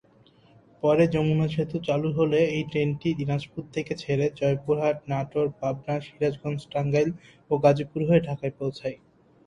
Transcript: পরে যমুনা সেতু চালু হলে এই ট্রেনটি দিনাজপুর থেকে ছেড়ে জয়পুরহাট, নাটোর, পাবনা, সিরাজগঞ্জ, টাঙ্গাইল ও গাজীপুর হয়ে ঢাকায় পৌছায়।